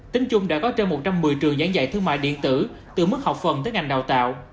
tính chung đã có trên một trăm một mươi trường giảng dạy thương mại điện tử từ mức học phần tới ngành đào tạo